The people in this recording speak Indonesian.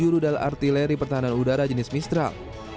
tujuh rudal artileri pertahanan udara jenis mistral